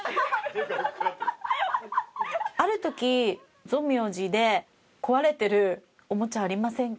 ある時存明寺で壊れてるおもちゃありませんか？